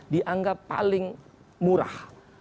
dianggap paling murah